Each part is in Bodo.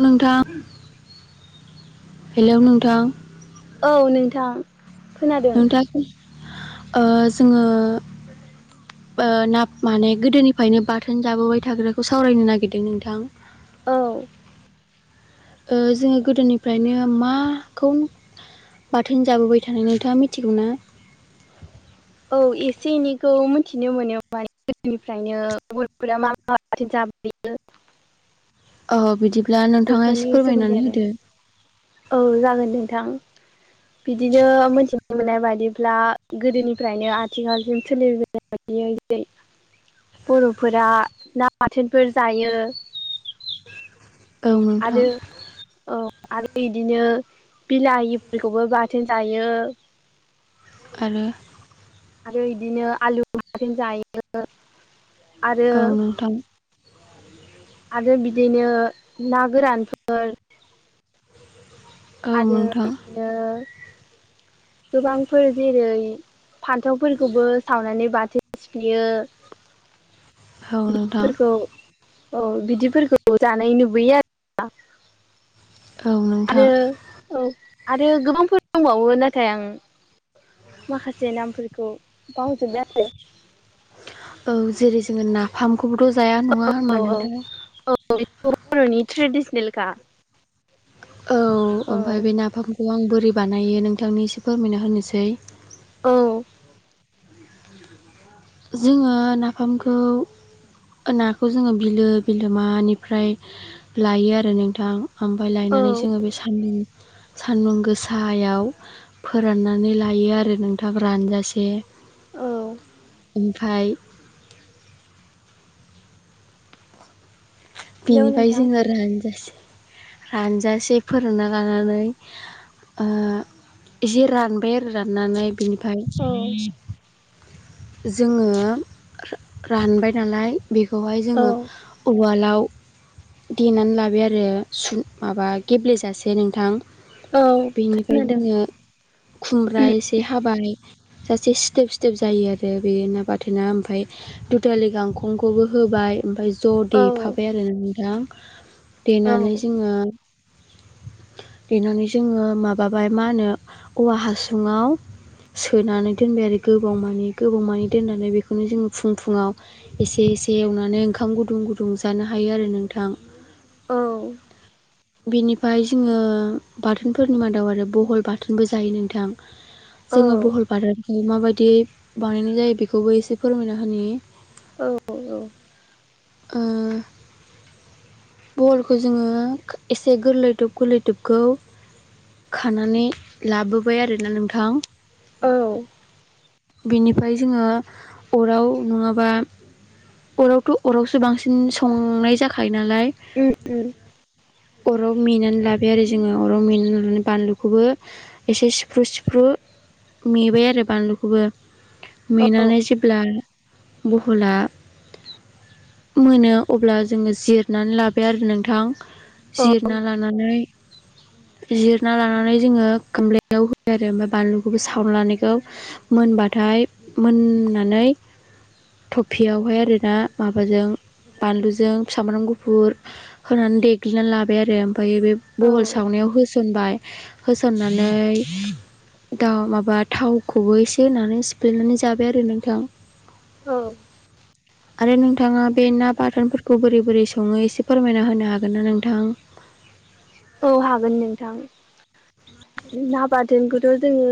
नोंथां हेलौ नोंथां औ नोंथां खोनादों नोंथां ओ जोङो ओ ना माने गोदोनिफ्रायनो बाथोन जाबोबाय थाग्राखौ सावरायनो नागिरदों नोंथां। औ ओ जोङो गोदोनिफ्रायनो माखौ बाथोन जाबोबाय थानाय नोंथाङा मिथिगौना औ एसे एनैखौ मिथिनो मोनो माने गोदोनिफ्रायनो बर'फोरा मा मा बाथोन जा बोयो औ बिदिब्ला नोंथाङा बेफोरनि एसे सोमोन्दै फोरमायनानै आरो होदो। औ जागोन नोंथां [inaudible] बिदिनो मोनथिनो मोननाय बायदिब्ला गोदोनिफ्रायनो आथिखालसिम सोलिबोनाय बायदि दियै बर'फोरा ना बाथोनफोर जायो। औ नोंथां आरो औ आरो इदिनो बिलाहिफोरखौबो बाथोन जायो। आरो आरो बिदिनो आलु बाथोन जायो। आरो औ‌ नोंथां। आरो बिदिनो ना गोरानफोर औ आरो नोंथां। बिदिनो गोबांफोर जेरै फान्थावफोरखौबो सावनानै बाथ थोन सिफ्लेयो औ नोंथां‌। बिदिफोरखौ औ बिदिफोरखौ जानाय नुबोयो आरोना। औ नोंथां आरो औ आरो गोबांफोर दंबावो नाथाय आं माखासे नामफोरखौ बाव जोबबाय आरो। औ जेरै जोङो नाफामखौबोथ' जाया नङा होनबा आरो औ औ नोंथां। औ बे बर'नि ट्रेडिसनेल खा। औ ओमफ्राय बे नाफामखौ आं बोरै बानायो नोंथांनि एसे फोरमायना होनोसै। [inaudible] जोङो नाफामखौ नाखौ जोङो बिलो बिलोमानिफ्राय लायो आरो नोंथां । हामफाय औ लायनानै जोङो बे सानदुं सान्दुं गोसायाव फोराननानै लायो आरो नोंथां रानजासे। औ ओमफाय हेलौ बिनिफ्राय नोंथां जोङो रानजासै रानजासे फोराना लानानै एसे रानबाय आरो राननानै बिनिफाय औ जोङो रानबाय नालाय बेखौहाय औ जोङो उवालाव देनानै लाबाय आरो सु माबा गेब्लेेजासे नोंथां। औ बेनिफ्राय खोनादों जोङो खुमब्रा एसे हाबाय सासे सिथोब सिथोब जायो आरो। आरो बे ना बाथेना ओमफाय दुदावलि गांखंखौबो होबाय ओमफ्राय ज' औ देफाबाय आरो नोंथां। औ देनानै जोङो देनानै जोङो माबाबाय मा होनो औवा हासुङाव सोनानै दोनबाय आरो गोबाव मानि गोबाव मानि दोननानै बेखौनो जोङो फुं फुुंङाव एसे एसे एवनानै ओंखाम गुदुं गुदुं जानो हा यो आरो नोंथां। औ बेनिफाय जोङो बाथोनफोरनि मादाव आरो बहल बाथोनबो जायो नोंथां। औ जोङो औ भुहल बाथोनखौ माबायदि बानायनाय जायो बेखौबो एसे फोरमायना होनि औ औ ओ बहलखौ जोङो एसे गोरलैदब गोरलैदबखौ खानानै लाबोबाय आरोना नोंथां औ बेनिफ्राय जोङो अराव नङाबा अरावथ अरावसो बांसिन संनाय जाखायो नालाय औ अराव मेनानै लाबाय आरो जोङो अराव मेनानै लानानै बानलुखौबो एसे सिफ्रु सिफ्रु मेबाय आरो बानलुखौबो औ मेनानै जेब्ला बहला मोनो अब्ला जोङो जिरनानै लाबाय आरो नोंथां। औ जिरना लानानै जिरना लानानै जोङो गामब्लायाव होयो आरो ओमफाय बानलुखौबो सावना लानायखौ मोनबाथ ओफ्राय मोननानै थफियावहाय आरोना माबाजों बानलुजों सामब्राम गुफुर होनानै देग्लिनानै लाबाय आरो ओमफ्राय बे बहल औ सावनायाव होसनबाय होसननानै द माबा थावखौबो एसे होनानै सिफ्लेनानै जाबाय आरो नोंथां औ आरो नोंथाङा बे ना बाथोनफोरखौ बोरै बोरै सङो एसे फोरमायना होनो हागोन ना नोंथां? ‌ [inaudible] औ हागोन नोंथां ना बाथोनखौथ' जोङो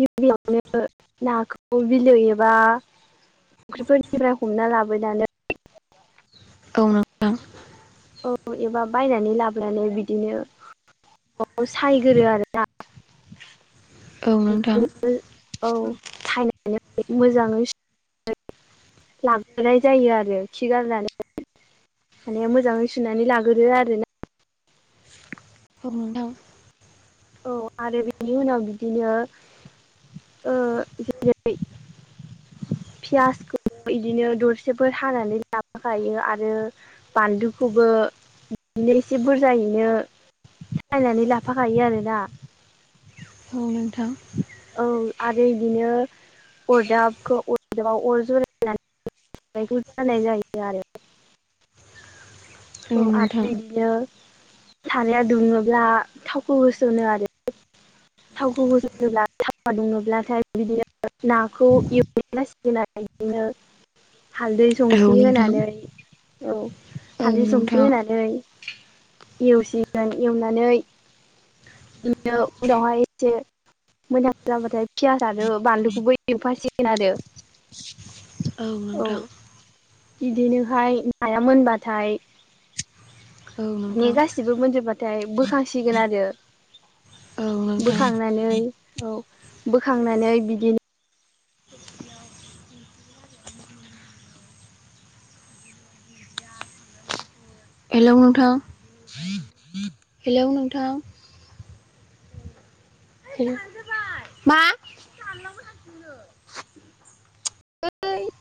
गिबियावनो नाखौ बिलो एबा फुख्रिफोरनिफ्राय हमना लाबोनै औ नोंथां औ एबा बायनानै लाबोनानै बिदिनो नवाव सायगोरो आरो दा औ नोंथां बिदिनो औ सायनानै मोजाङै [unintelligible] लाबोनाय जायो आरो खि गारनानै माने मोजाङै [unintelligible] सुनानै लाग्रो आरोना हनथाव [inaudible] औ आरो बेनि उनाव बिदिनो औ [unintelligible] पियासखौ बिदिनो दरसेफोर हानानै लाबोखायो आरो बानलुखौबो बिदिनो एसे बुरजायैनो सायनानै लाफाखायो आरोना उम औ आरो बिदिनो अरजाबखौ अरजाबाव अर [unintelligible] जनाय ज [unintelligible] आरो औ आरो बिदिनो सारया दुङोब्ला थावखौ होसनो आरो थावखौ होसननोब्ला थावा [unintelligible] दुङोब्लाथाय बिदिनो नाखौ एवैना सिगनायदिनो [unintelligible] हालदै औ संख्रि नोंथां औ नोंथां होनानै औ हालदै औ संख्रि नोंथां होनानै एवसिगोन एवनानै बिनो उनावहाय एसे मोजां जाबाथाय पियास आरो बानलुखौबो एवफासिगोन आरो [unintelligible] औ नोंथां बिदिनोहाय नाया मोनबाथाय औ माने नोंथां गासिबो मोनजोबबाथाय बोखांसिगोन आरो औ नोंथां बोखांनानै औ औ बोखांनानै बिदिनो हेलौ नोंथां हेलौ नोंथां [inaudible] [inaudible]